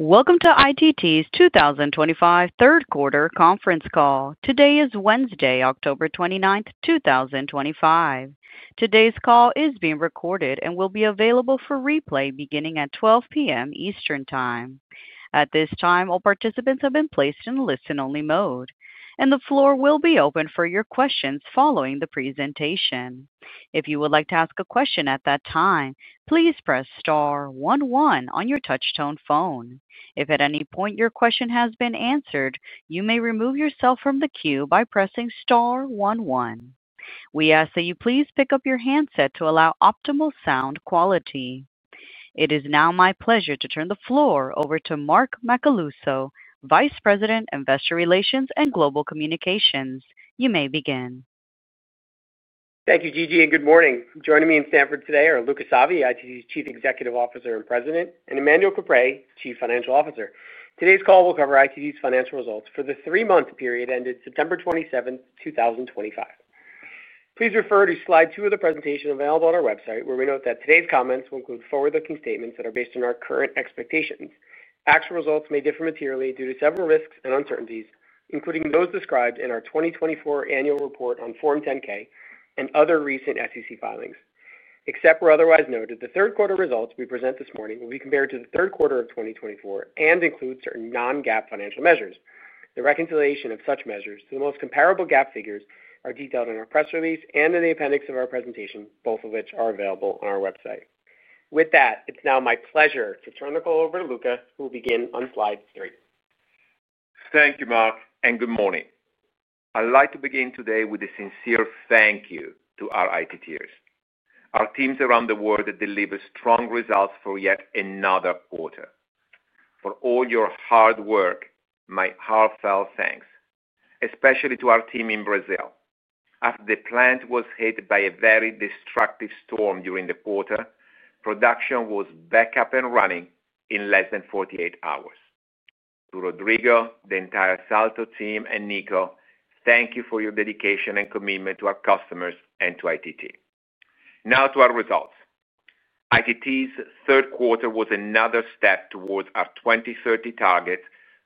Welcome to ITT's 2025 third quarter conference call. Today is Wednesday, October 29, 2025. Today's call is being recorded and will be available for replay beginning at 12:00 P.M. Eastern Time. At this time all participants have been placed in listen-only mode and the floor will be open for your questions following the presentation. If you would like to ask a question at that time, please press star one one on your touchtone phone. If at any point your question has been answered, you may remove yourself from the queue by pressing one one. We ask that you please pick up your handset to allow optimal sound quality. It is now my pleasure to turn the floor over to Mark Macaluso, Vice President, Investor Relations and Global Communications. You may begin. Thank you, Gigi, and good morning. Joining me in Stamford today are Luca Savi, ITT's Chief Executive Officer and President, and Emmanuel Caprais, Chief Financial Officer. Today's call will cover ITT's financial results for the three-month period ended September 27, 2025. Please refer to Slide 2 of the. Presentation available on our website, where we note that today's comments will include forward-looking statements that are based on our current expectations. Actual results may differ materially due to several risks and uncertainties, including those described in our 2024 Annual Report on Form 10-K and other recent SEC filings. Except where otherwise noted, the third quarter results we present this morning will be compared to the third quarter of 2024 and include certain non-GAAP financial measures. The reconciliation of such measures to the most comparable GAAP figures are detailed in our press release and in the appendix of our presentation, both of which are available on our website. With that, it's now my pleasure to. Turn the call over to Luca. Will begin on slide three. Thank you, Mark, and good morning. I'd like to begin today with a sincere thank you to our ITTers. Our teams around the world deliver strong results for yet another quarter. For all your hard work, my heartfelt thanks, especially to our team in Brazil. After the plant was hit by a very destructive storm during the quarter, production was back up and running in less than 48 hours. To Rodrigo, the entire Salto team, and Nico, thank you for your dedication and commitment to our customers and to ITT. Now to our results. ITT's third quarter was another step towards our 2030 target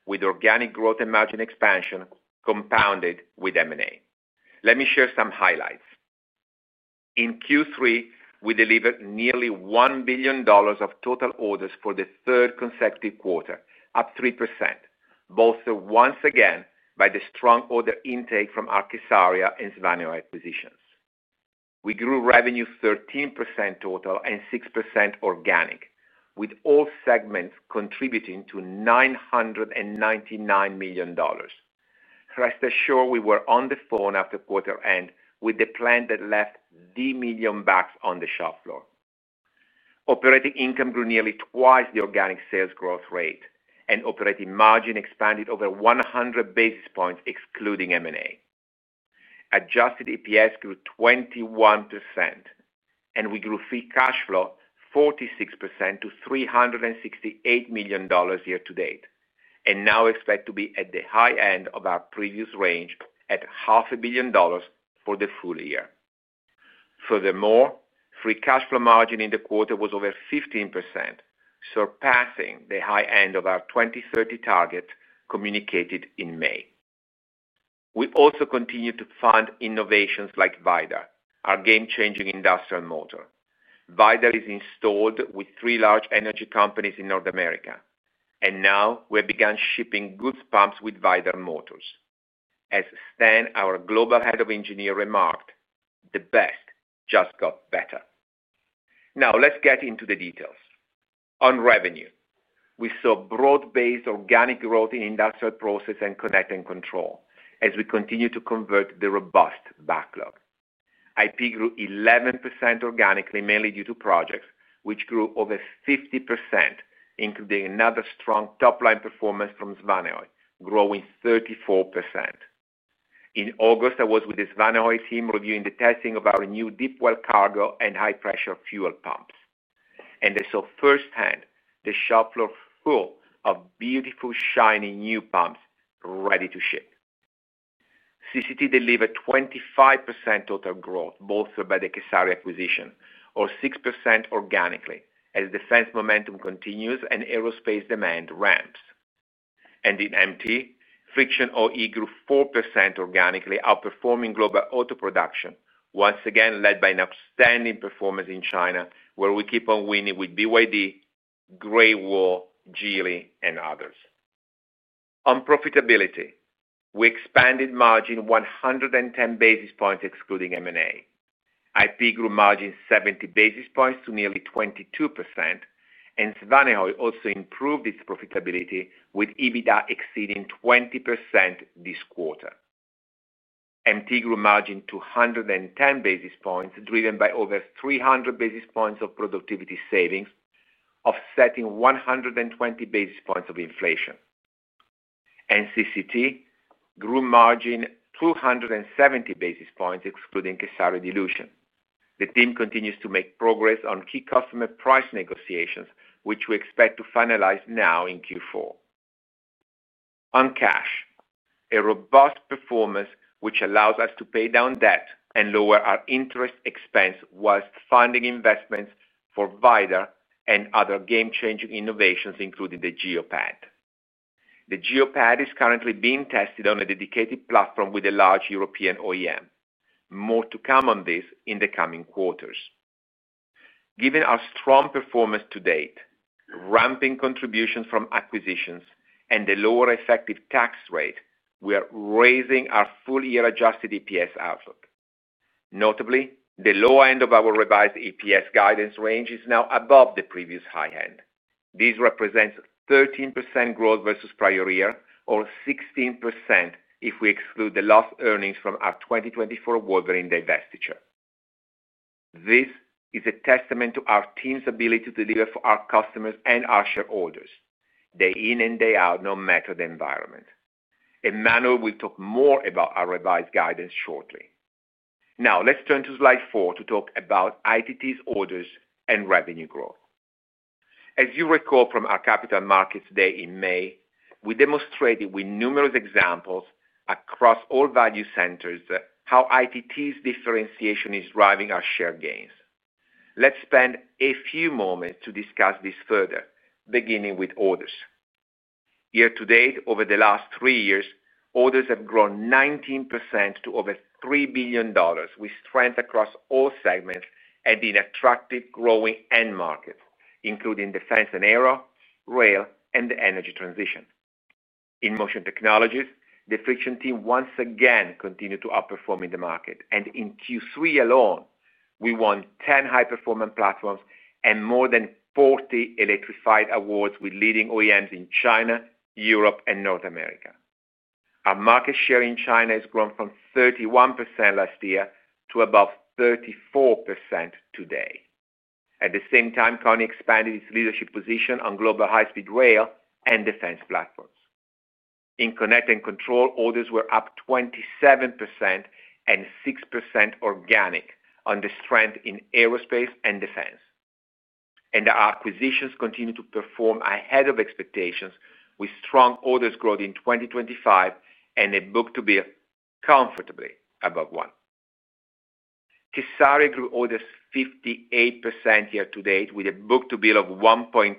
with organic growth and margin expansion compounded with M&A. Let me share some highlights. In Q3, we delivered nearly $1 billion of total orders for the third consecutive quarter, up 3%, bolstered once again by the strong order intake from Casoria and Svanehøj acquisitions. We grew revenue 13% total and 6% organic with all segments contributing to $999 million. Rest assured, we were on the phone after quarter end with the plant that left $3 million bucks on the shop floor. Operating income grew nearly twice the organic sales growth rate, and operating margin expanded over 100 basis points excluding M&A. Adjusted EPS grew 21%, and we grew free cash flow 46% to $368 million year to date and now expect to be at the high end of our previous range at $500 million for the full year. Furthermore, free cash flow margin in the quarter was over 15%, surpassing the high end of our 2030 target communicated in May. We also continue to fund innovations like Vidar, our game-changing industrial motor. Vidar is installed with three large energy companies in North America, and now we've begun shipping Goulds pumps with Vidar motors. As Stan, our global head of engineering, remarked, the best just got better. Now let's get into the details on revenue. We saw broad-based organic growth in Industrial Process and Connect and Control as we continue to convert the robust backlog. IP grew 11% organically, mainly due to projects which grew over 50%, including another strong top-line performance from Svanehøj, growing 34%. In August, I was with the Svanehøj team reviewing the testing of our new deep well cargo and high-pressure fuel pumps, and I saw firsthand the shop floor full of beautiful, shiny new pumps ready to ship. CCT delivered 25% total growth both by the Casoria acquisition or 6% organically as defense momentum continues and aerospace demand ramps, and in MT friction OE grew 4% organically, outperforming global auto production once again led by an outstanding performance in China where we keep on winning with BYD, Great Wall, Geely, and others. On profitability, we expanded margin 110 basis points excluding M&A. IP grew margins 70 basis points to nearly 22%, and Svanehøj also improved its profitability with EBITDA exceeding 20% this quarter. MT grew margin to 110 basis points driven by over 300 basis points of productivity savings offsetting 120 basis points of inflation. CCT grew margin 270 basis points excluding Casoria dilution. The team continues to make progress on key customer price negotiations, which we expect to finalize now in Q4. On cash, a robust performance which allows us to pay down debt and lower our interest expense whilst funding investments for Vidar and other game-changing innovations including the Geopad. The Geopad is currently being tested on a dedicated platform with a large European OEM. More to come on this in the coming quarters. Given our strong performance to date, ramping contributions from acquisitions, and the lower effective tax rate, we are raising our full year Adjusted EPS outlook. Notably, the low end of our revised EPS guidance range is now above the previous high end. This represents 13% growth versus prior year or 16% if we exclude the lost earnings from our 2024 Wolverine divestiture. This is a testament to our team's ability to deliver for our customers and our shareholders day in and day out, no matter the environment. Emmanuel Caprais will talk more about our revised guidance shortly. Now let's turn to Slide 4 to talk about ITT's orders and revenue growth. As you recall from our capital markets day in May, we demonstrated with numerous examples across all value centers how ITT's differentiation is driving our share gains. Let's spend a few moments to discuss this further, beginning with orders year to date. Over the last three years, orders have grown 19% to over $3 billion with strength across all segments and in attractive growing end markets including Defense and Aero, Rail, and the Energy Transition in Motion Technologies. The Friction team once again continued to outperform in the market, and in Q3 alone we won 10 high performance platforms and more than 40 electrified awards with leading OEMs in China, Europe, and North America. Our market share in China has grown from 31% last year to above 34% today. At the same time, Carnie expanded its leadership position on global high speed rail and defense platforms. In Connect and Control, orders were up 27% and 6% organic on the strength in aerospace and defense, and our acquisitions continue to perform ahead of expectations with strong orders growth in 2025 and a book to bill comfortably above 1. Tessares grew orders 58% year to date with a book to bill of 1.2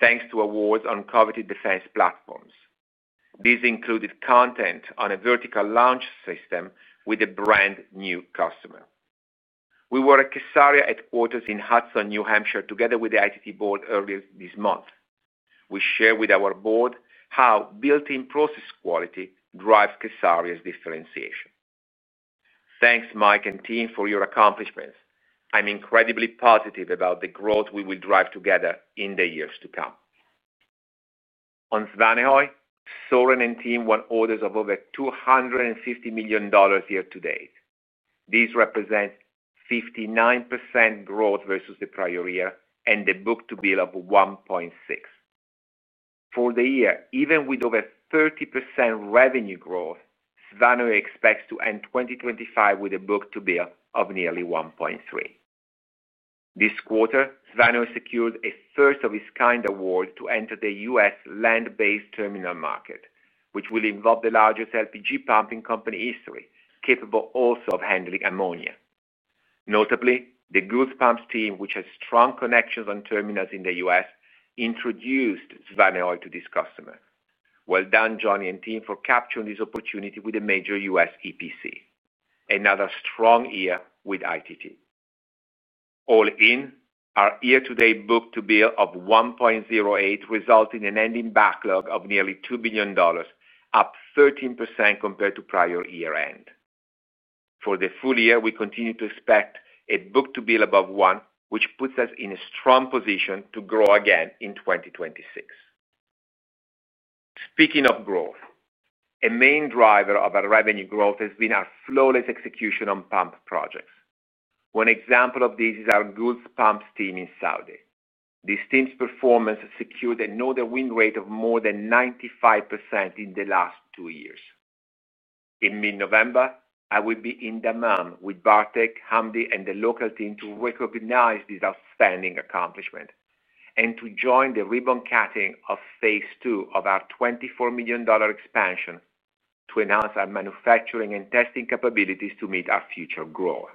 thanks to awards on coveted defense platforms. These included content on a vertical launch system with a brand new customer. We were at Casoria headquarters in Hudson, New Hampshire together with the ITT board earlier this month. We shared with our board how built in process quality drives Casoria's differentiation. Thanks Mike and Tim for your accomplishments. I'm incredibly positive about the growth we will drive together in the years to come. On Svanehøj, Soren and team won orders of over $250 million year to date. These represent 59% growth versus the prior year and the book to bill of 1.6 for the year. Even with over 30% revenue growth, Svanehøj expects to end 2025 with a book to bill of nearly 1.3. This quarter Svanehøj secured a first of its kind award to enter the U.S. land based terminal market, which will involve the largest LPG pump in company history, capable also of handling ammonia. Notably, the Goulds Pumps team, which has strong connections on terminals in the U.S., introduced Svanehøj to this customer. Well done Johnny and team for capturing this opportunity with the major U.S. EPC. Another strong year with ITT, all in our year to date book to bill of 1.08 resulting in an ending backlog of nearly $2 billion, up 13% compared to prior year end. For the full year, we continue to expect a book to bill above one, which puts us in a strong position to grow again in 2026. Speaking of growth, a main driver of our revenue growth has been our flawless execution on pump projects. One example of this is our Goulds Pumps team in Saudi Arabia. This team's performance secured a node, a win rate of more than 95% in the last years. In mid November I will be in Daman with Bartek, Hamdi, and the local team to recognize this outstanding accomplishment and to join the ribbon cutting of phase two of our $24 million expansion to announce our manufacturing and testing capabilities to meet our future growth.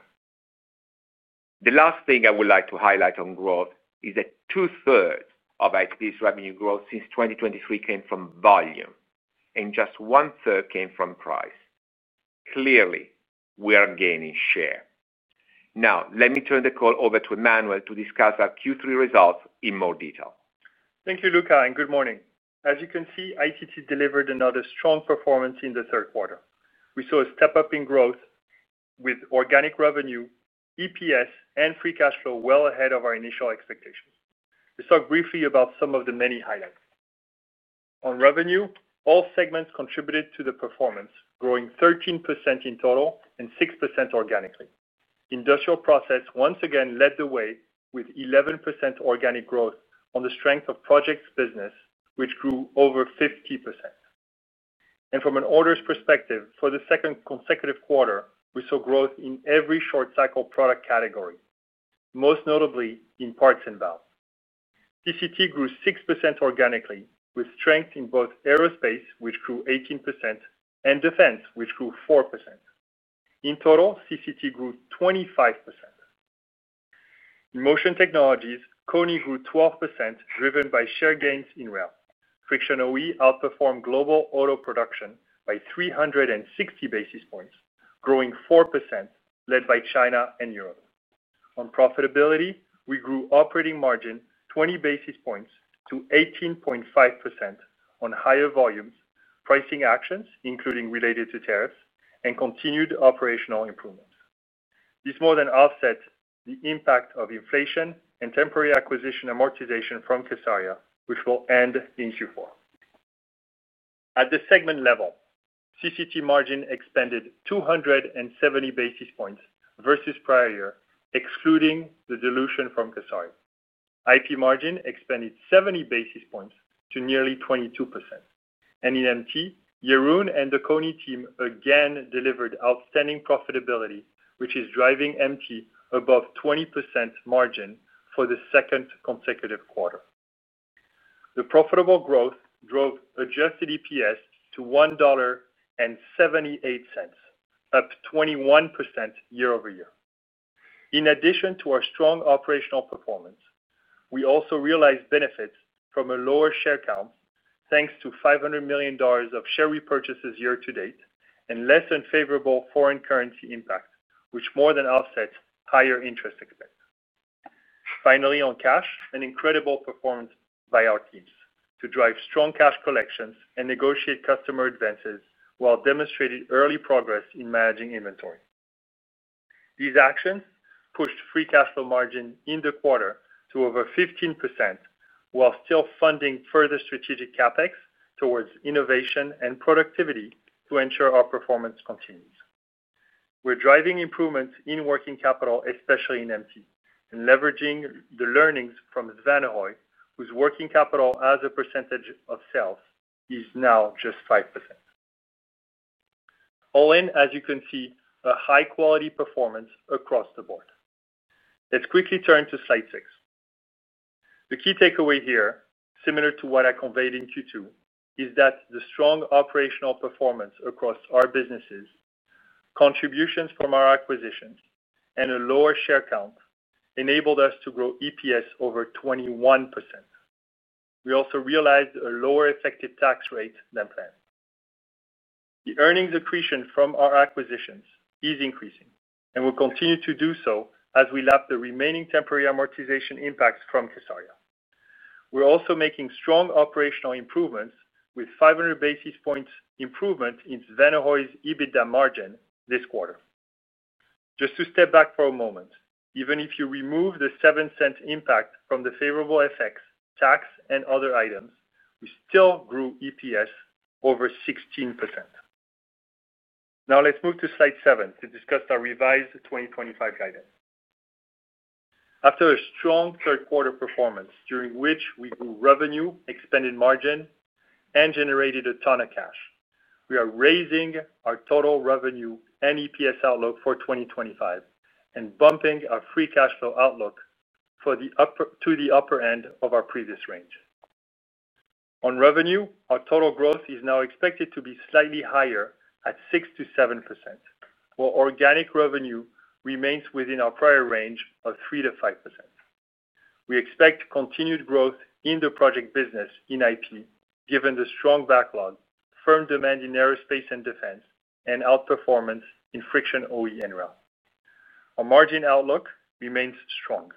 The last thing I would like to highlight on growth is that 2/3 of its revenue growth since 2023 came from volume and just 1/3 came from price. Clearly we are gaining share now. Let me turn the call over to Emmanuel to discuss our Q3 results in more detail. Thank you, Luca, and good morning. As you can see, ITT Inc. delivered another strong performance in the third quarter. We saw a step up in growth with organic revenue, EPS, and free cash flow well ahead of our initial expectations. Let's talk briefly about some of the many highlights on revenue. All segments contributed to the performance, growing 13% in total and 6% organically. Industrial Process once again led the way with 11% organic growth on the strength of projects business, which grew over 50%. From an orders perspective, for the second consecutive quarter, we saw growth in every short cycle product category, most notably in parts and valves. CCT grew 6% organically with strength in both aerospace, which grew 18%, and defense, which grew 4% in total. CCT grew 25% in Motion Technologies. KONI grew 12% driven by share gains in rail friction. OE outperformed global auto production by 360 basis points, growing 4%, led by China and Europe. On profitability, we grew operating margin 20 basis points to 18.5% on higher volumes, pricing actions including related to tariffs, and continued operational improvements. This more than offset the impact of inflation and temporary acquisition amortization from Casoria, which will end in Q4. At the segment level, CCT margin expanded 270 basis points versus prior year, excluding the dilution from Casoria. IP margin expanded 70 basis points to nearly 22%. In MT, Jeroen and the KONI team again delivered outstanding profitability, which is driving MT above 20% margin for the second consecutive quarter. The profitable growth drove Adjusted EPS to $1.78, up 21% year over year. In addition to our strong operational performance, we also realized benefits from a lower share count thanks to $500 million of share repurchases year to date and less unfavorable foreign currency impact, which more than offsets higher interest expense. Finally, on cash, an incredible performance by our teams to drive strong cash collections and negotiate customer advances while demonstrating early progress in managing inventory. These actions pushed free cash flow margin in the quarter to over 15% while still funding further strategic CapEx towards innovation and productivity. To ensure our performance continues, we're driving improvements in working capital, especially in MT, and leveraging the learnings from Svanehøj, whose working capital as a percentage of sales is now just 5% all in. As you can see, a high-quality performance across the board. Let's quickly turn to Slide 6. The key takeaway here, similar to what I conveyed in Q2, is that the strong operational performance across our businesses, contributions from our acquisitions, and a lower share count enabled us to grow EPS over 21%. We also realized a lower effective tax rate than planned. The earnings accretion from our acquisitions is increasing and will continue to do so as we lap the remaining temporary amortization impacts from Casoria. We're also making strong operational improvements with 500 basis points improvement in Svanehøj's EBITDA margin this quarter. Just to step back for a moment, even if you remove the $0.07 impact from the favorable FX, tax, and other items, we still grew EPS over 16%. Now let's move to Slide 7 to discuss our revised 2025 guidance. After a strong third quarter performance during which we grew revenue, expanded margin, and generated a ton of cash, we are raising our total revenue and EPS outlook for 2025 and bumping our free cash flow outlook to the upper end of our previous range. On revenue, our total growth is now expected to be slightly higher at 6%-7%, while organic revenue remains within our prior range of 3%-5%. We expect continued growth in the project business in IP. Given the strong backlog, firm demand in aerospace and defense, and outperformance in friction OE and rail, our margin outlook remains strong.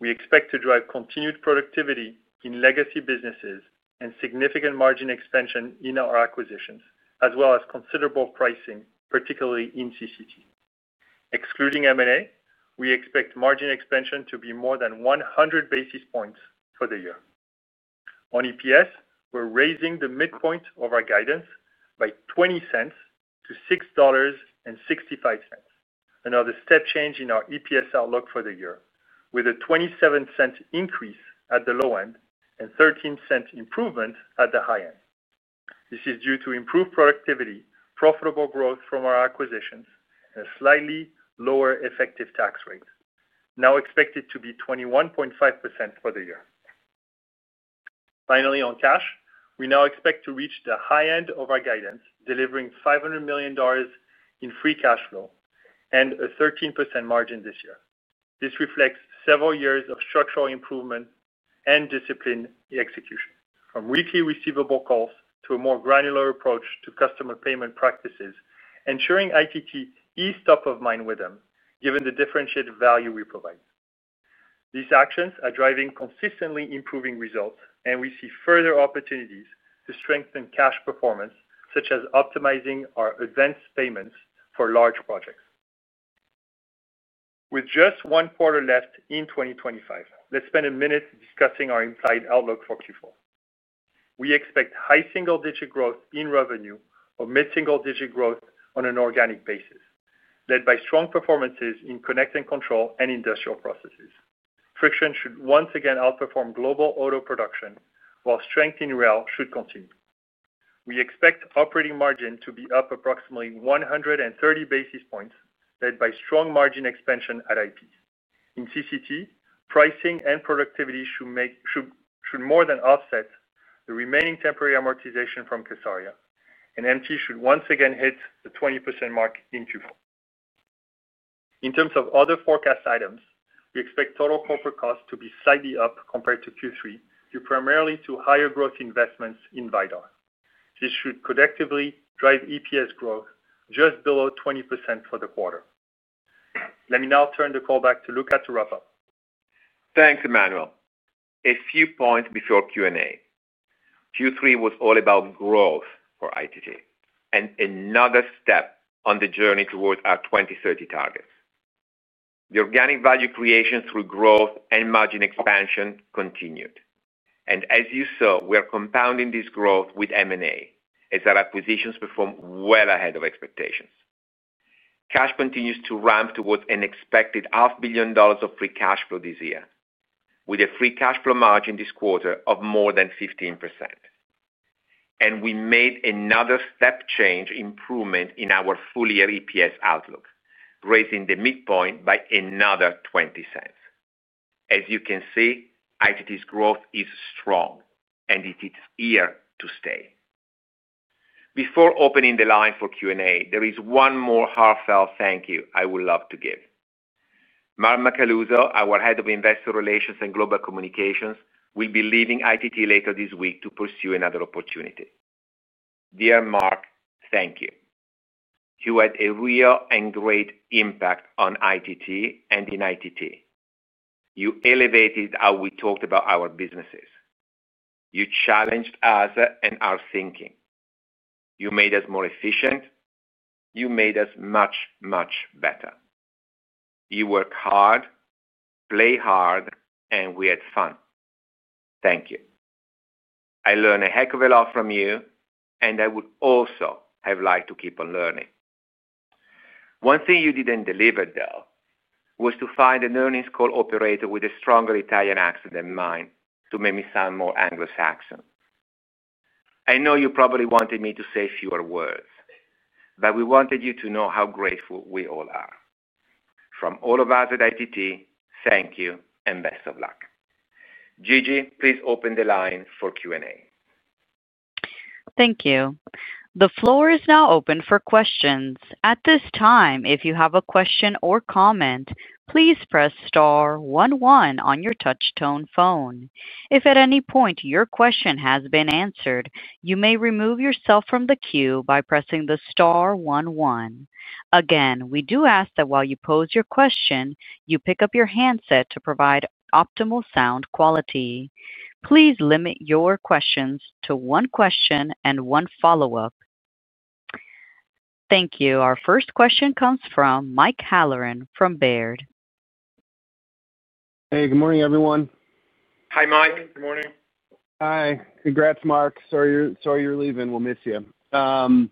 We expect to drive continued productivity in legacy businesses and significant margin expansion in our acquisitions as well as considerable pricing, particularly in CCT. Excluding M&A, we expect margin expansion to be more than 100 basis points for the year. On EPS, we're raising the midpoint of our guidance by $0.20 to $6.65, another step change in our EPS outlook for the year with a $0.27 increase at the low end and a 13% improvement at the high end. This is due to improved productivity, profitable growth from our acquisitions, and a slightly lower effective tax rate now expected to be 21.5% for the year. Finally, on cash, we now expect to reach the high end of our guidance, delivering $500 million in free cash flow and a 13% margin this year. This reflects several years of structural improvement and disciplined execution, from weekly receivable calls to a more granular approach to customer payment practices, ensuring ITT is top of mind with them given the differentiated value we provide. These actions are driving consistently improving results, and we see further opportunities to strengthen cash performance, such as optimizing our advanced space payments for large projects. With just one quarter left in 2025, let's spend a minute discussing our implied outlook for Q4. We expect high single digit growth in revenue, or mid single digit growth on an organic basis, led by strong performances in Connect and Control Technologies and Industrial Process. Friction should once again outperform global auto production, while strength in rail should continue. We expect operating margin to be up approximately 130 basis points, led by strong margin expansion at IP and CCT. Pricing and productivity should more than offset the remaining temporary amortization from Casoria, and MT should once again hit the 20% mark in Q4. In terms of other forecast items, we expect total corporate costs to be slightly up compared to Q3, due primarily to higher growth investments in Vidar. This should collectively drive EPS growth just below 20% for the quarter. Let me now turn the call back to Luca. Thanks, Emmanuel. A few points before Q and A. Q3 was all about growth for ITT Inc. and another step on the journey towards our 2030 targets. The organic value creation through growth and margin expansion continued, and as you saw, we are compounding this growth with M&A as our acquisitions perform well ahead of expectations. Cash continues to ramp towards an expected half billion dollars of free cash flow this year, with a free cash flow margin this quarter of more than 15%. We made another step change improvement in our full year EPS outlook, raising the midpoint by another $0.20. As you can see, ITT Inc.'s growth is strong and it is here to stay. Before opening the line for Q and A, there is one more heartfelt thank you I would love to give. Mark Macaluso, our Head of Investor Relations and Global Communications, will be leaving ITT Inc. later this week to pursue another opportunity. Dear Mark, thank you. You had a real and great impact on ITT Inc., and in ITT Inc., you elevated how we talked about our businesses. You challenged us and our thinking. You made us more efficient, you made us much, much better. You worked hard, played hard, and we had fun. Thank you. I learned a heck of a lot from you and I would also have liked to keep on learning. One thing you didn't deliver though, was to find an earnings call operator with a stronger Italian accent than mine to make me sound more Anglo Saxon. I know you probably wanted me to say fewer words, but we wanted you to know how grateful we all are. From all of us at ITT Inc., thank you and best of luck. Gigi, please open the line for Q and A. Thank you. The floor is now open for questions. At this time, if you have a question or comment, please press *11 on your touchtone phone. If at any point your question has been answered, you may remove yourself from the queue by pressing star one one again. We do ask that while you pose your question, you pick up your handset to provide optimal sound quality. Please limit your questions to one question and one follow-up. Thank you. Our first question comes from Mike Halloran from Baird. Hey, good morning, everyone. Hi, Mike. Good morning. Hi. Congrats, Mark. Sorry you're leaving. We'll miss you. Thanks.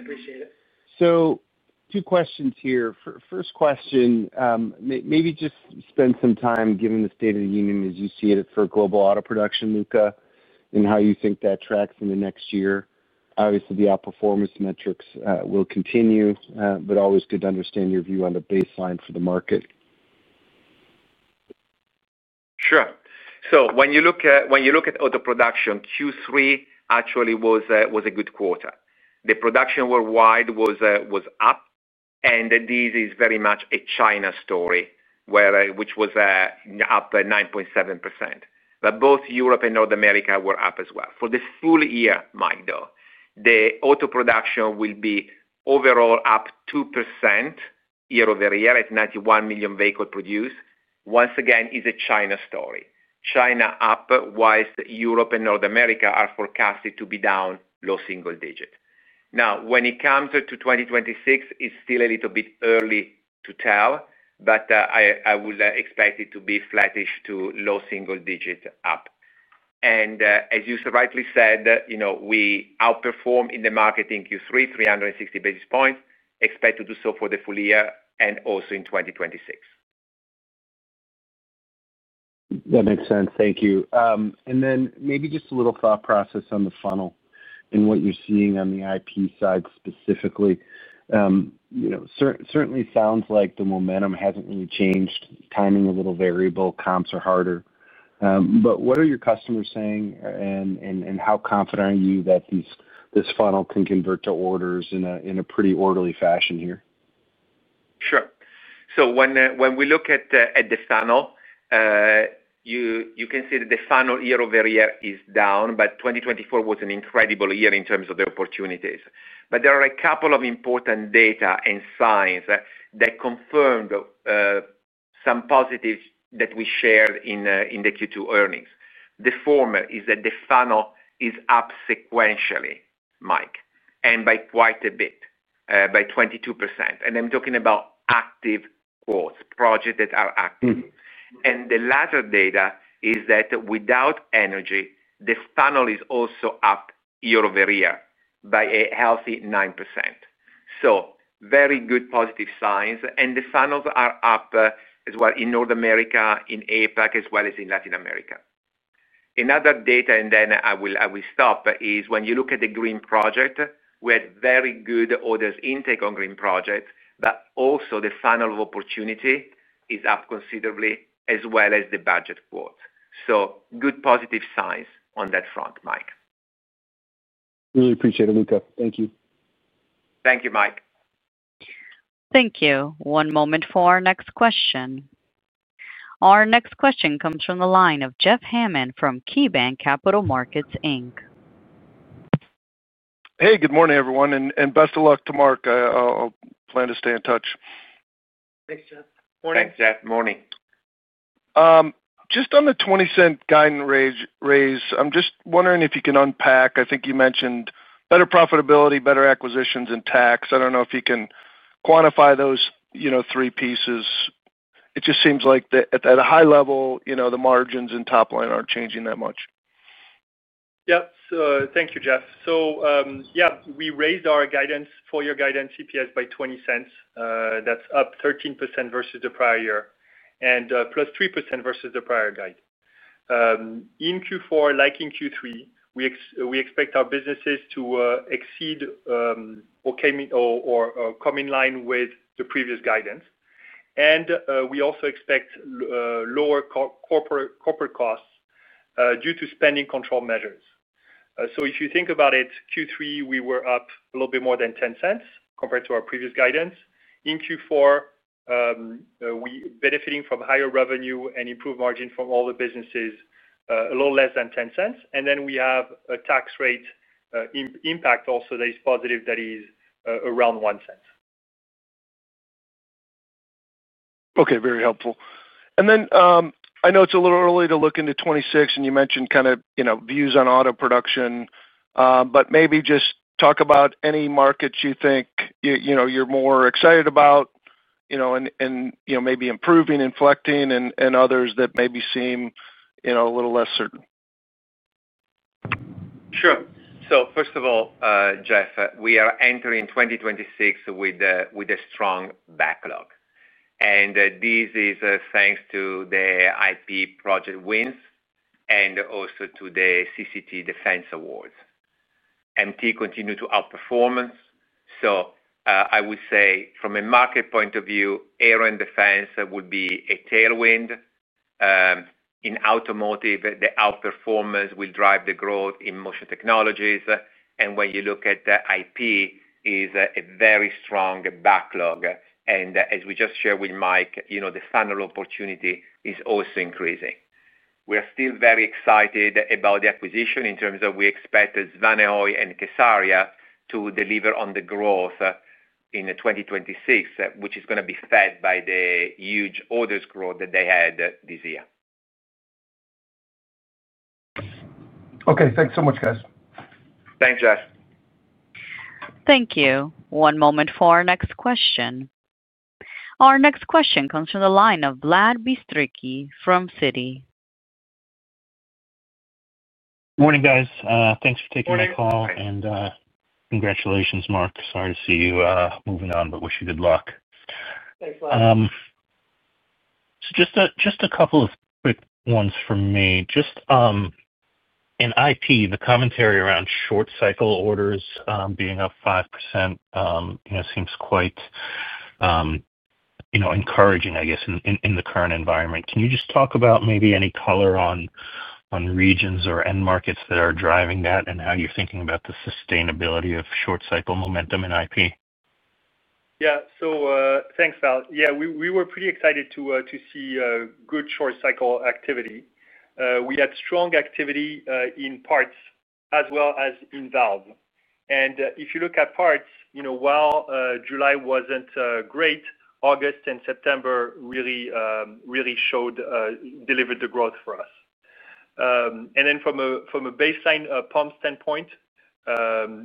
Appreciate it. Two questions here. First question. Maybe just spend some time, given the State of the Union as you see it, for global auto production and how you think that tracks in the next year. Obviously, the outperformance metrics will continue, but always good to understand your view on the baseline for the market. Sure. When you look at auto production, Q3 actually was a good quarter. The production worldwide was up. This is very much a China story, which was up 9.7%, but both Europe and North America were up as well for the full year. Mike, though the auto production will be overall up 2% year over year at 91 million vehicles produced, once again is a China story. China up, whilst Europe and North America are forecasted to be down low single digit. When it comes to 2026, it's still a little bit early to tell, but I would expect it to be flattish to low single digit up. As you rightly said, we outperform in the market in Q3, 360 basis points. Expect to do so for the full year and also in 2026. That makes sense. Thank you. Maybe just a little thought process on the funnel and what you're seeing on the IP side specifically. Specifically, certainly sounds like the momentum hasn't really changed. Timing a little variable, comps are harder. What are your customers saying and how confident are you that this funnel can convert to orders in a pretty orderly fashion here? Sure. When we look at the funnel, you can see that the funnel year over year is the same. 2024 was an incredible year in terms of the opportunities. There are a couple of important data and signs that confirmed some positives that we shared in the Q2 earnings. The former is that the funnel is up sequentially, Mike, and by quite a bit, by 22%. I'm talking about active quotes, projects that are active. The latter data is that without energy, the funnel is also up year over year by a healthy 9%. Very good positive signs. The funnels are up as well in North America, in APAC, as well as in Latin America. Another data, and then I will stop, is when you look at the green project, we had very good orders intake on green projects, but also the funnel of opportunity up considerably, as well as the budget quote. Good positive signs on that front. Mike, really appreciate it, Luca. Thank you. Thank you, Mike. Thank you. One moment for our next question. Our next question comes from the line of Jeff Hammond from KeyBanc Capital Markets Inc. Hey, good morning everyone and best of luck to Mark. Plan to stay in touch. Thanks, Jeff. Thanks, Jeff. Morning. Just on the $0.20 guidance raise, I'm just wondering if you can unpack. I think you mentioned better profitability, better acquisitions and tax. I don't know if you can quantify those three pieces. It just seems like at a high level the margins and top line aren't changing that much. Thank you, Jeff. Yeah, we raised our full year guidance EPS by $0.20. That's up 13% versus the prior year and plus 3% versus the prior guide. In Q4, like in Q3, we expect our businesses to exceed or come in line with the previous guidance and we also expect lower corporate costs due to spending control measures. If you think about it, Q3 we were up a bit more than $0.10 compared to our previous guidance. In Q4, we are benefiting from higher revenue and improved margin from all the businesses, a little less than $0.10. Then we have a tax rate impact also that is positive, that is around $0.01. Okay, very helpful. I know it's a little early to look into 2026 and you mentioned kind of views on auto production, but maybe just talk about any markets you think you're more excited about and maybe improving, inflecting, and others that maybe seem a little less certain. Sure. First of all, Jeff, we are entering 2026 with a strong backlog, and this is thanks to the IP project wins and also to the CCT Defense awards. MT continues to outperform. I would say from a market point of view, air and defense would be a tailwind. In automotive, the outperformance will drive the growth in Motion Technologies. When you look at IP, it is a very strong backlog, and as we just shared with Mike, the fundamental opportunity is also increasing. We are still very excited about the acquisition in terms of we expect Svanehøj and Casoria to deliver on the growth in 2026, which is going to be fed by the huge orders growth that they had this year. Okay, thanks so much, guys. Thanks, Jeff. Thank you. One moment for our next question. Our next question comes from the line of Vlad Bystricky from Citi. Morning guys. Thanks for taking my call and congratulations. Mark, sorry to see you moving on, but wish you good luck. Just a couple of quick ones for me. In Industrial Process, the commentary around short cycle orders being up 5% seems quite encouraging, I guess, in the current environment. Can you talk about maybe any color on regions or end markets that are driving that and how you're thinking about the sustainability of short cycle momentum in Industrial Process? Yeah, thanks Val. We were pretty excited to see good short cycle activity. We had strong activity in parts as well as in valve. If you look at parts, while July wasn't great, August and September really delivered the growth for us. From a baseline pump standpoint,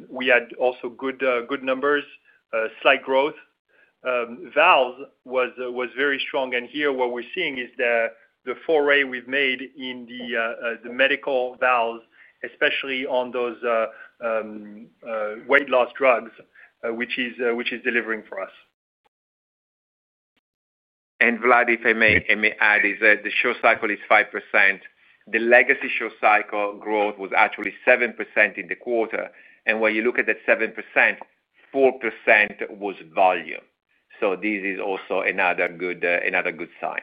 we had also good numbers, slight growth. Valves was very strong. Here what we're seeing is the foray we've made in the medical valves, especially on those weight loss drugs, which is delivering for us. If I may add, Vlad, the short cycle is 5%. The legacy short cycle growth was actually 7% in the quarter. When you look at that 7%, 4% was volume. This is also another good sign.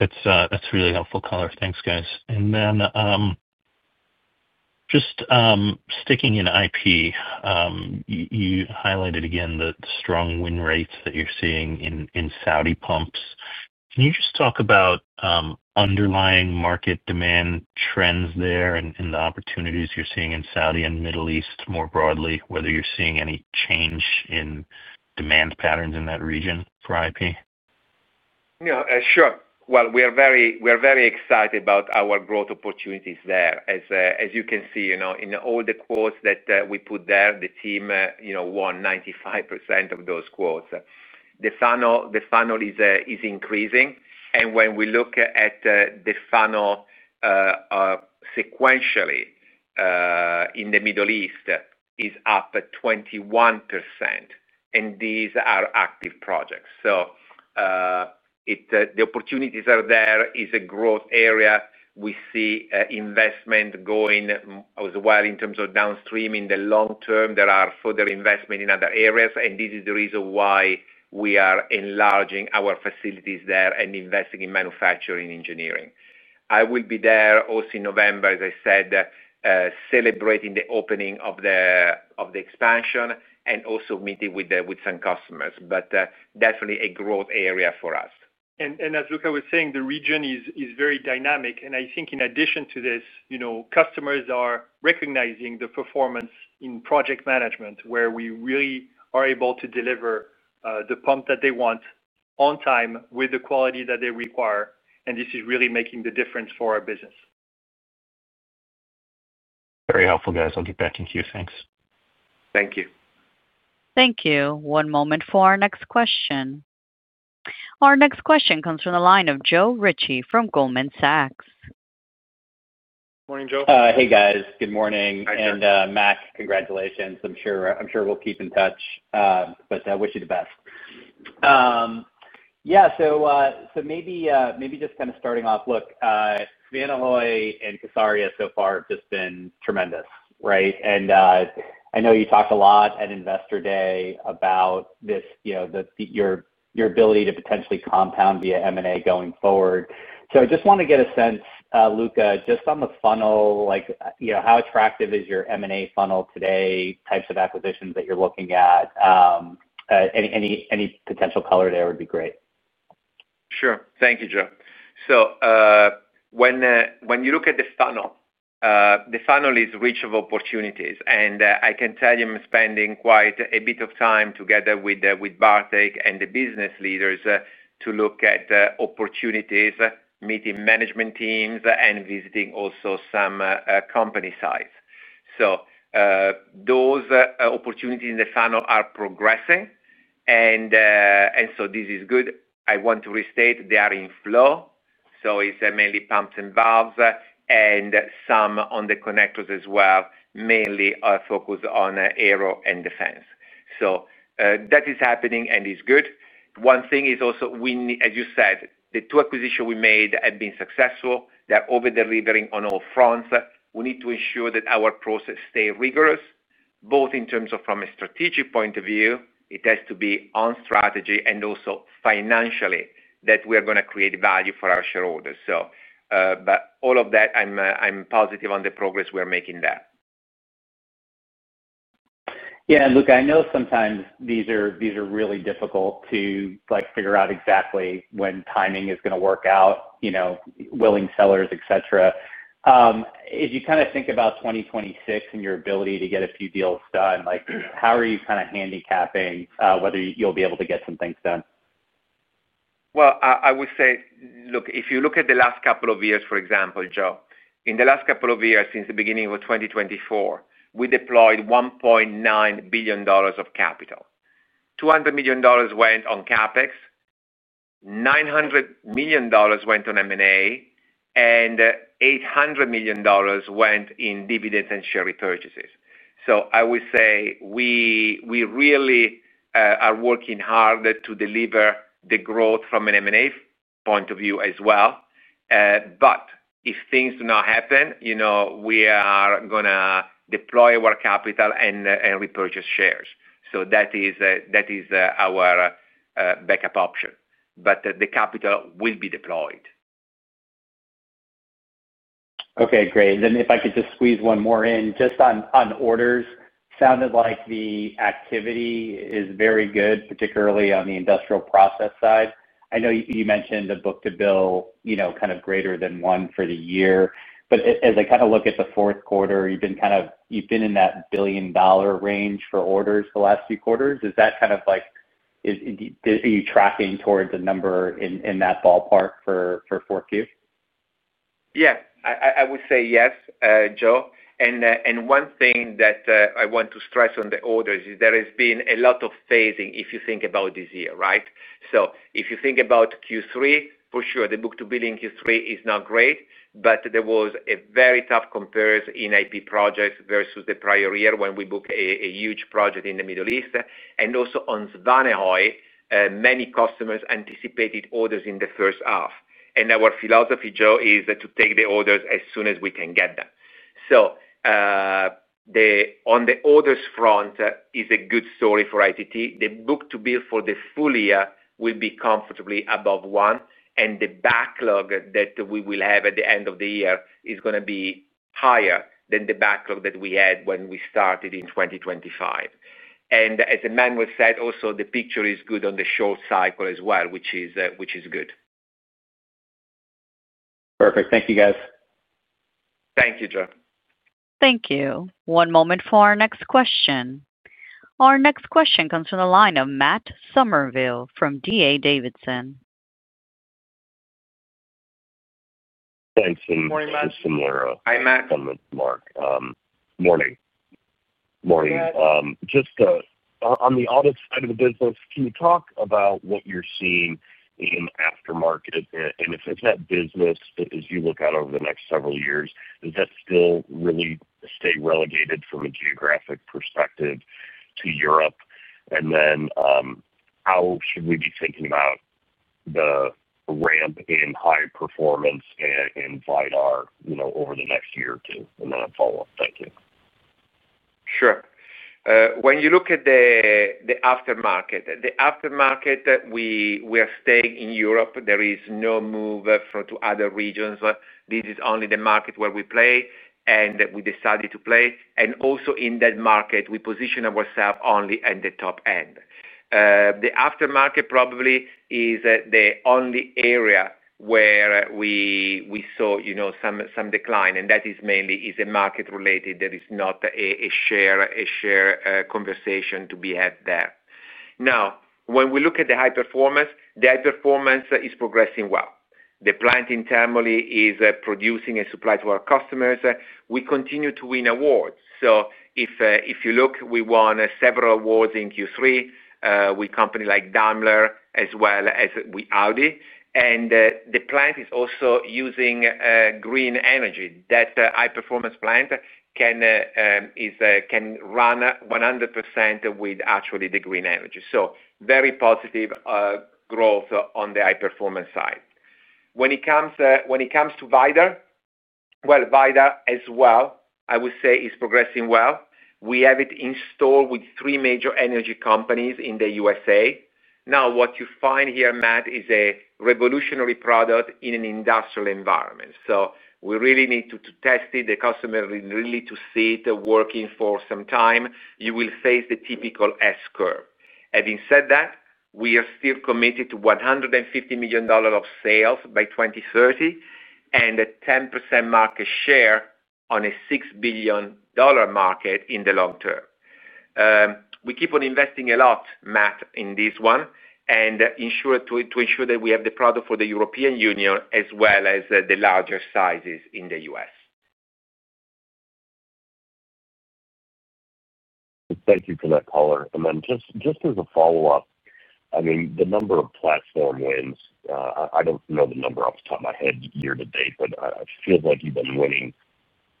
That's really helpful color. Thanks guys. Just sticking in IP, you highlighted again the strong win rates that you're seeing in Saudi pumps. Can you just talk about underlying market demand trends there and the opportunities you're seeing in Saudi and Middle East more broadly, whether you're seeing any change in demand, demand patterns in that region for IP? Sure. We are very excited about our growth opportunities there. As you can see in all the quotes that we put there, the team won 95% of those quotes. The funnel is increasing, and when we look at the funnel sequentially in the Middle East, it is up 21%. These are active projects. The opportunities are there. It is a growth area. We see investment going as well in terms of downstream. In the long term, there are further investments in other areas. This is the reason why we are enlarging our facilities there and investing in manufacturing engineering. I will be there also in November, as I said, celebrating the opening of the expansion and also meeting with some customers. Definitely a growth area for us. As Luca was saying, the region is very dynamic. I think in addition to this, customers are recognizing the performance in project management, where we really are able to deliver the pump that they want on time with the quality that they require. This is really making the difference for our business. Very helpful, guys. I'll get back in queue. Thanks. Thank you. Thank you. One moment for our next question. Our next question comes from the line of Joe Ritchie from Goldman Sachs. Good morning, Joe. Hey, guys. Good morning. Mark, congratulations. I'm sure we'll keep in touch, but wish you the best. Maybe just kind of starting off. Look, Svanehøj and Casoria so far have just been tremendous, right? I know you talked a lot at Investor Day about this, your ability to potentially compound via M&A going forward. I just want to get a sense, Luca, just on the funnel, like, you know, how attractive is your M&A funnel today? Types of acquisitions that you're looking at. Any potential color there would be great. Sure. Thank you, Joe. When you look at the funnel, the funnel is rich of opportunities. I can tell you I'm spending quite a bit of time together with Bartec and the business leaders to look at opportunities, meeting management teams and visiting also some company sites. Those opportunities in the funnel are progressing and this is good. I want to restate they are in flow. It's mainly pumps and valves and some on the connectors as well, mainly focused on aero and defense. That is happening and is good. One thing is also, as you said, the two acquisitions we made have been successful. They're over delivering on all fronts. We need to ensure that our process stays rigorous both in terms of from a strategic point of view, it has to be on strategy and also financially that we are going to create value for our shareholders. All of that, I'm positive on the progress we're making there. Yeah, Luca, I know sometimes these are really difficult to figure out exactly when timing is going to work out, even with willing sellers, et cetera. As you kind of think about 2026 and your ability to get a few deals done, how are you kind of handicapping whether you'll be able to get some things done? If you look at the last couple of years, for example, Joe, in the last couple of years since the beginning of 2024, we deployed $1.9 billion of capital. $200 million went on CapEx, $900 million went on M&A, and $800 million went in dividends and share repurchases. I would say we really are working hard to deliver the growth from an M&A point of view as well. If things do not happen, we are going to deploy our capital and repurchase shares. That is our backup option, but the capital will be deployed. Okay, great. If I could just squeeze one more in just on orders. Sounded like the activity is very good, particularly on the Industrial Process side. I know you mentioned a book to bill kind of greater than 1 for the year, but as I kind of look at the fourth quarter, you've been in that billion dollar range for orders the last few quarters. Is that kind of like, are you tracking towards a number in that ballpark for 4Q? Yeah, I would say yes, Joe. One thing that I want to stress on the orders is there has been a lot of phasing if you think about this year. Right. If you think about Q3, for sure the book to bill in Q3 is not great, but there was a very tough comparison in Industrial Process projects versus the prior year when we booked a huge project in the Middle East and also on Svanehøj. Many customers anticipated orders in the first half. Our philosophy, Joe, is to take the orders as soon as we can get them. On the orders front, it is a good story for ITT Inc. The book to bill for the full year will be comfortably above 1, and the backlog that we will have at the end of the year is going to be higher than the backlog that we had when we started in 2025. As Emmanuel said, also the picture is good on the short cycle as well, which is good. Perfect. Thank you, guys. Thank you, Joe. Thank you. One moment for our next question. Our next question comes from the line of Matt Somerville from D.A. Davidson. Morning, Matt. Morning, Matt. Thanks to a similar comment, Mark. Morning. Just on the auto side of the business, can you talk about what you're seeing in aftermarket and if that business, as you look out over the next several years, does that still really stay relegated from a geographic perspective to Europe? How should we be thinking about the ramp in high performance in Vidar over the next year or two and then a follow up? Thank you. Sure. When you look at the aftermarket, the aftermarket, we are staying in Europe. There is no move to other regions. This is only the market where we play and we decided to play. Also in that market, we position ourselves only at the top end. The aftermarket probably is the only area where we saw some decline and that is mainly market related. There is not a share conversation to be had there. Now when we look at the high performance, the high performance is progressing well. The plant in Tamale is producing a supply to our customers. We continue to win awards. If you look, we won several awards in Q3 with companies like Daimler as well as Audi. The plant is also using green energy. That high performance plant can run 100% with actually the green energy. Very positive growth on the high performance side when it comes to Vidar. Vidar as well, I would say is progressing well. We have it installed with three major energy companies in the U.S. Now what you find here, Matt, is a revolutionary product in an industrial environment. We really need to test it, the customer really to see it working for some time, you will face the typical S curve. Having said that, we are still committed to $150 million of sales by 2030 and a 10% market share on a $6 billion market in the long term. We keep on investing a lot, Matt, in this one and to ensure that we have the product for the European Union as well as the larger sizes in the U.S. Thank you for that color. Just as a follow up, I mean the number of platform wins, I don't know the number off the top of my head year to date, but it feels like you've been winning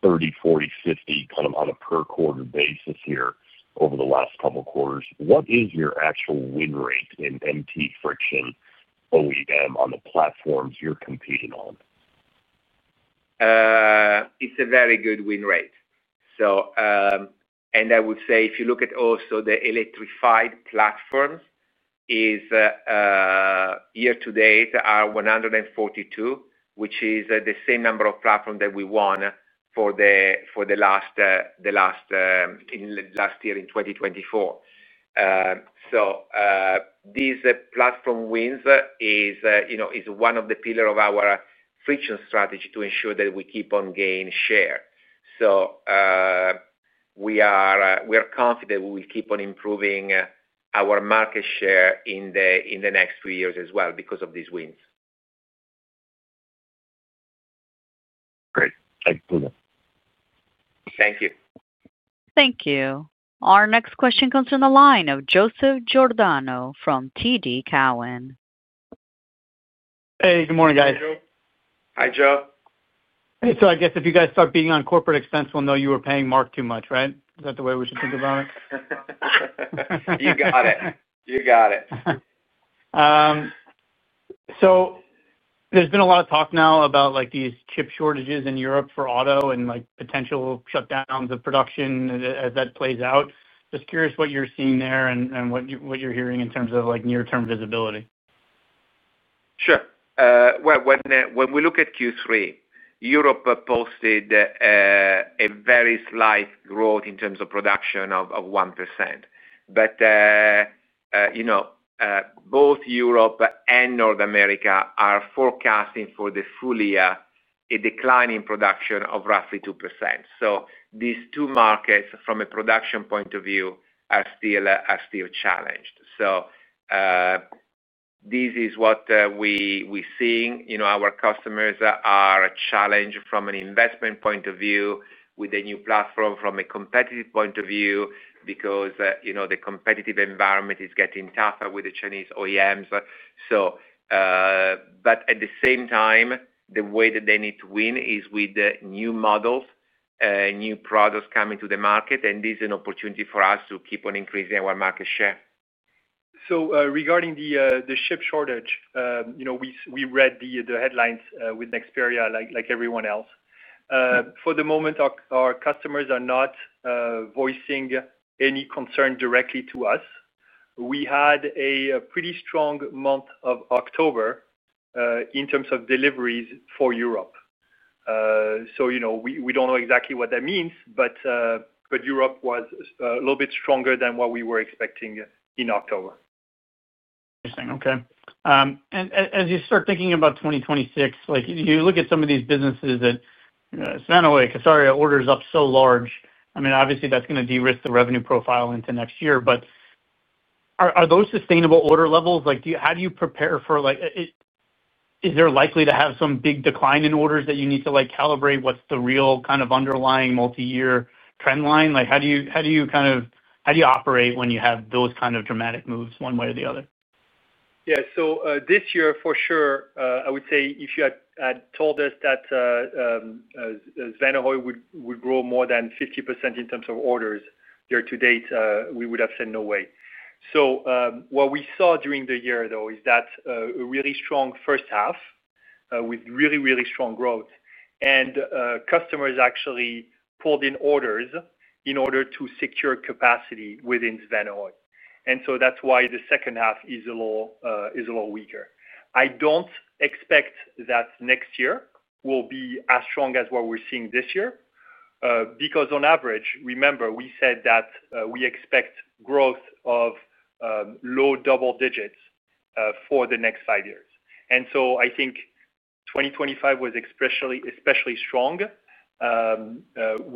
30, 40, 50, kind of on a per quarter basis here over the last couple quarters. What is your actual win rate in MT Friction OEM on the platforms you're competing on? It's a very good win rate, and I would say if you look at also the electrified platforms year to date are 142, which is the same number of platforms that we won for last year in 2024. These platform wins is one of the pillar of our friction strategy to ensure that we keep on gaining share. So we are confident we will keep on improving our market share in the next few years as well because of these wins. Great. Thank you. Thank you. Thank you. Our next question comes from the line of Joseph Giordano from TD Cowen. Hey, good morning, guys. Hi, Joe. I guess if you guys start beating on corporate expense, we'll know you were paying Mark Macaluso too much, right? Is that the way we should think about it? You got it. You got it. There has been a lot of talk now about these chip shortages in Europe for auto and potential shutdowns of production as that plays out. Just curious what you're seeing there and what you're hearing in terms of near term visibility. Sure. When we look at Q3, Europe posted a very slight growth in terms of production of 1%. Both Europe and North America are forecasting for the full year a declining production of roughly 2%. These two markets, from a production point of view, are still challenged. This is what we're seeing. Our customers are challenged from an investment point of view with a new platform, from a competitive point of view, because the competitive environment is getting tougher with the Chinese OEMs. At the same time, the way that they need to win is with the new models, new products coming to the market. This is an opportunity for us to keep on increasing our market share. Regarding the chip shortage, we read the headlines with Nexperia like everyone else. For the moment, our customers are not voicing any concern directly to us. We had a pretty strong month of October in terms of deliveries for Europe. We don't know exactly what that means, but Europe was a little bit stronger than what we were expecting in October. Interesting. Okay. As you start thinking about 2026, like you look at some of these businesses that orders up so large, I mean, obviously that's going to de-risk the revenue profile into next year. Are those sustainable order levels? Like, do you, how do you prepare for, like, is there likely to have some big decline in orders that you need to calibrate? What's the real kind of underlying multiyear trend line? Like, how do you, how do you operate when you have those kind of dramatic moves one way or the other? Yeah. This year for sure, I would say if you had told us that Svanehøj would grow more than 50% in terms of orders year to date, we would have said no way. What we saw during the year though is that a really strong first half with really, really strong growth and customers actually pulled in orders in order to secure capacity within Svanehøj. That's why the second half is a little weaker. I don't expect that next year will be as strong as what we're seeing this year because on average, remember we said that we expect growth of low double digits for the next five years. I think 2025 was especially strong.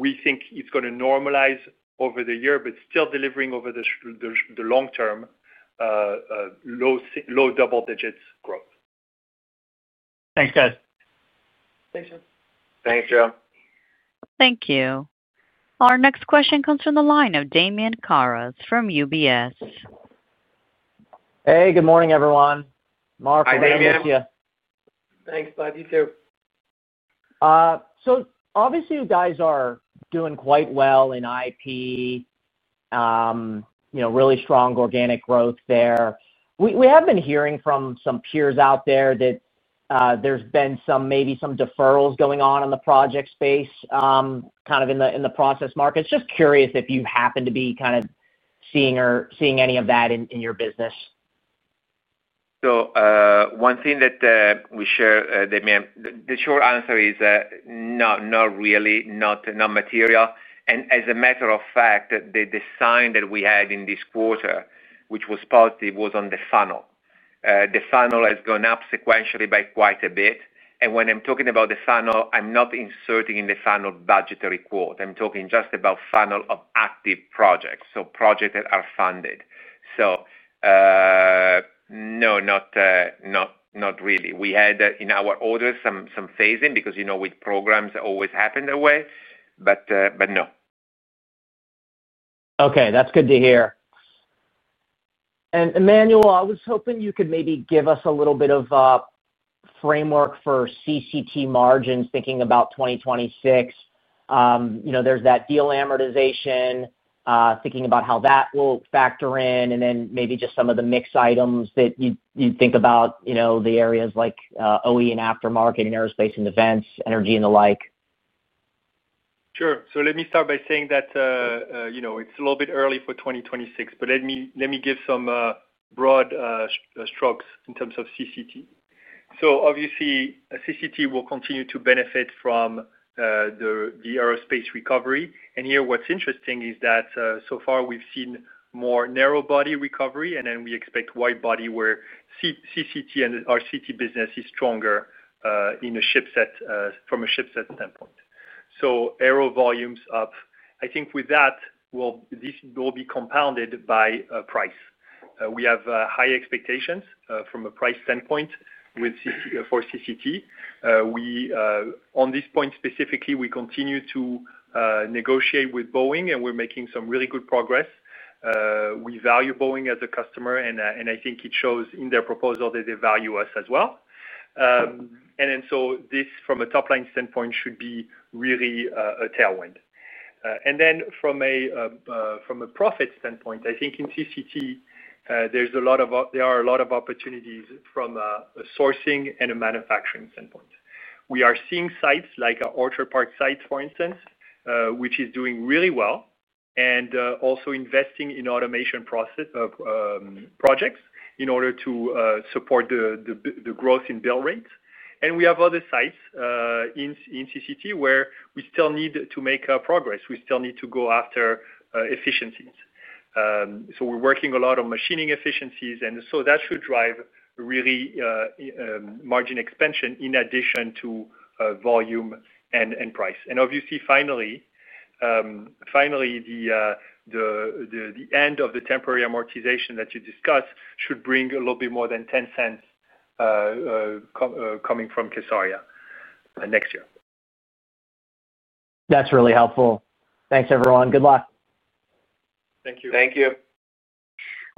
We think it's going to normalize over the year, but still delivering over the long term low double digits growth. Thanks guys. Thanks, Jim. Thanks Joe. Thank you. Our next question comes from the line of Damian Karas from UBS. Hey, good morning everyone. Hey, Damian. Thanks. You guys are doing quite well in IP. Really strong organic growth there. We have been hearing from some peers out there that there's been maybe some deferrals going on in the project space, kind of in the process markets. Just curious if you happen to be seeing any of that in your business. The short answer is no, not really. Not material. As a matter of fact, the design that we had in this quarter, which was positive, was on the funnel. The funnel has gone up sequentially by quite a bit. When I'm talking about the funnel, I'm not inserting in the funnel budgetary quote. I'm talking just about funnel of active projects, so projects that are funded. No, not really. We had in our orders some phasing because, you know, with programs always happen that way but no. Okay, that's good to hear. Emmanuel, I was hoping you could maybe give us a little bit of framework for CCT margins. Thinking about 2026. You know, there's that deal amortization, thinking about how that will factor in, and then maybe just some of the mix items that you think about, you know, the areas like OE and aftermarket and aerospace and events, energy and the like. Sure. Let me start by saying that it's a little bit early for 2026, but let me give some broad strokes in terms of CCT. Obviously, CCT will continue to benefit from the aerospace recovery. What's interesting is that so far we've seen more narrow body recovery, and we expect wide body, where CCT and RCT business is stronger in a shipset, from a shipset standpoint. Aero volumes up. I think with that, this will be compounded by price. We have high expectations from a price standpoint for CCT. On this point specifically, we continue to negotiate with Boeing, and we're making some really good progress. We value Boeing as a customer, and I think it shows in their proposal that they value us as well. This, from a top line standpoint, should be really a tailwind. From a profit standpoint, I think in CCT there are a lot of opportunities. From a sourcing and a manufacturing standpoint, we are seeing sites like Orchard Park site, for instance, which is doing really well and also investing in automation process of projects in order to support the growth in bill rates. We have other sites in CCT where we still need to make progress. We still need to go after efficiencies, so we're working a lot on machining efficiencies. That should drive really margin expansion in addition to volume and price. Finally, the end of the temporary amortization that you discussed should bring a little bit more than $0.10 coming from Casoria next year. That's really helpful. Thanks everyone. Good luck. Thank you. Thank you.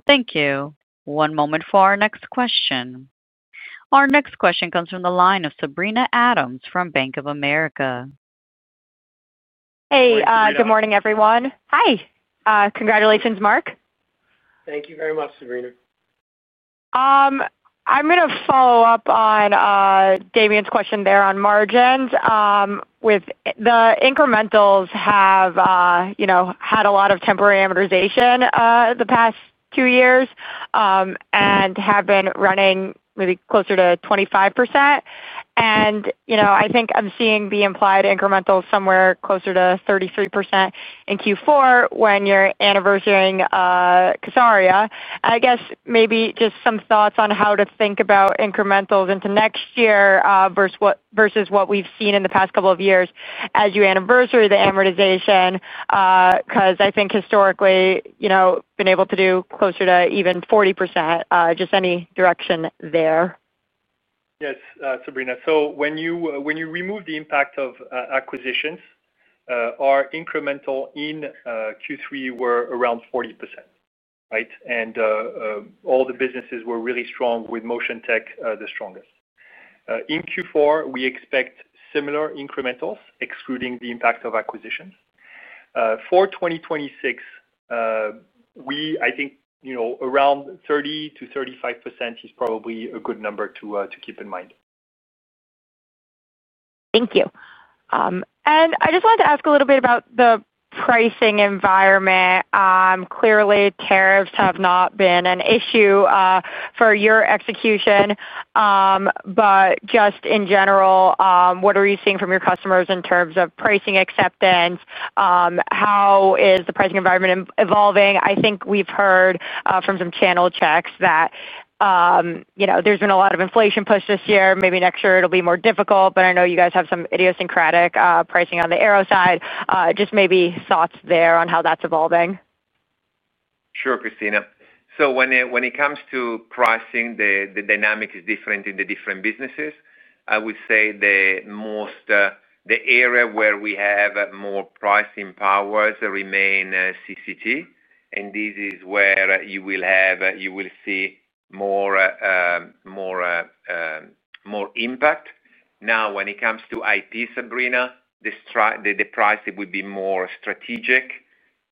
Thank you. One moment for our next question. Our next question comes from the line of Sabrina Adams from Bank of America. Hey, good morning everyone. Hi. Congratulations, Mark. Thank you very much, Sabrina. I'm going to follow up on Damian's question there. On margins, the incrementals have had a lot of temporary amortization the past two years and have been running maybe closer to 25%. I think I'm seeing the implied incremental somewhere closer to 33% in Q4 when you're anniversarying, I guess maybe just some thoughts on how to think about incrementals into next year versus what we've seen in the past couple of years as you anniversary the amortization. I think historically been able to do closer to even 40%. Just any direction there. Yes, Sabrina. When you remove the impact of acquisitions, our incremental in Q3 were around 40%. All the businesses were really strong, with Motion Technologies the strongest. In Q4 we expect similar incrementals excluding the impact of acquisitions. For 2026, we, I think, you know, around 30%-35% is probably a good number to keep in mind. Thank you. I just wanted to ask a little bit about the pricing environment. Clearly tariffs have not been an issue for your execution. In general, what are you seeing from your customers in terms of pricing acceptance? How is the pricing environment evolving? I think we've heard from some channel checks that there's been a lot of inflation pushed this year. Maybe next year it'll be more difficult. I know you guys have some idiosyncratic pricing on the arrow side. Maybe thoughts there on how that's evolving? Sure, Christina. When it comes to pricing, the dynamic is different in the different businesses. I would say the area where we have more pricing power remains CCT. This is where you will see more impact. When it comes to IP, Sabrina, the price will be more strategic,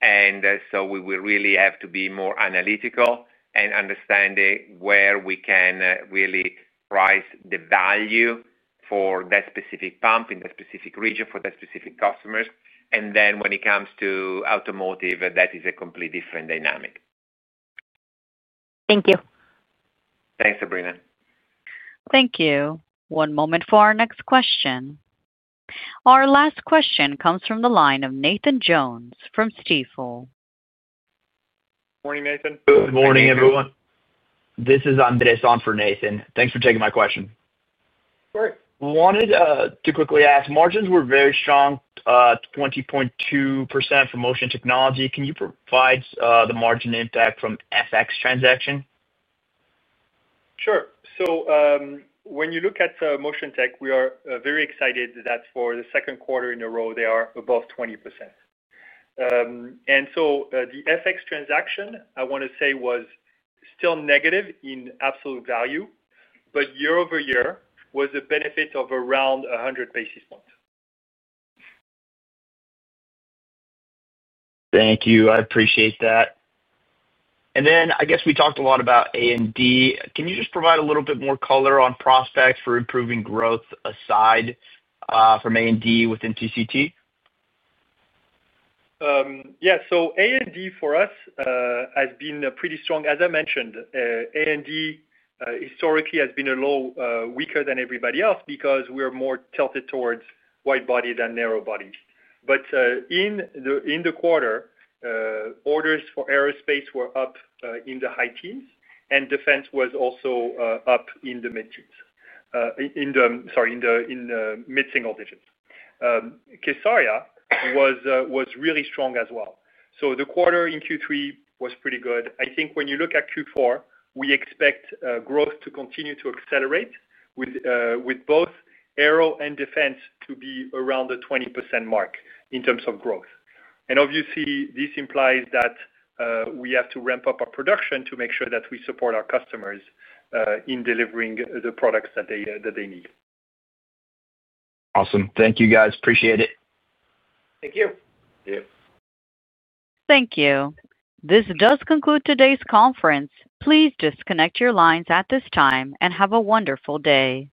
and we will really have to be more analytical and understand where we can really price the value for that specific pump in the specific region for that specific customer. When it comes to automotive, that is a completely different dynamic. Thank you. Thanks Sabrina. Thank you. One moment for our next question. Our last question comes from the line of Nathan Jones from Stifel. Good morning, Nathan. Good morning, everyone. This is Andres on for Nathan. Thanks for taking my question. Wanted to quickly ask. Margins were very strong. 20.2% for Motion Technologies. Can you provide the margin impact from FX transaction? Sure. When you look at Motion Technologies, we are very excited that for the second quarter in a row they are above 20%. The FX transaction I want to say was still negative in absolute value, but year over year was a benefit of around 100 basis points. Thank you, I appreciate that. I guess we talked a lot about A and D. Can you just provide a little bit more color on prospects for improving growth aside from A and D within CCT? Yeah. A and D for us has been pretty strong. As I mentioned, A and D historically has been a little weaker than everybody else because we are more tilted towards widebody than narrowbody. In the quarter, orders for Aerospace were up in the high teens and Defense was also up in the mid single digits. Casoria was really strong as well. The quarter in Q3 was pretty good. I think when you look at Q4, we expect growth to continue to accelerate with both Aero and Defense to be around the 20% mark in terms of growth. Obviously, this implies that we have to ramp up our production to make sure that we support our customers in delivering the products that they need. Awesome. Thank you, guys. Appreciate it. Thank you. Thank you. This does conclude today's conference. Please disconnect your lines at this time and have a wonderful day.